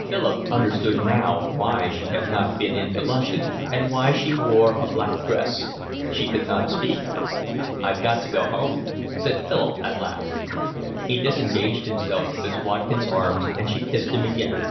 Philip understood now why she had not been in to luncheon and why she wore a black dress. She could not speak. "I've got to go home," said Philip, at last. He disengaged himself from Miss Watkin's arms, and she kissed him again.